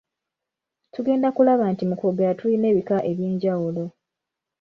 Tugenda kulaba nti mu kwogera tulina ebika eby’enjawulo.